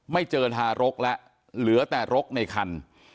ไม่เจอทารกแล้วเหลือแต่รกในคัน